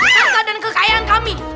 harta dan kekayaan kami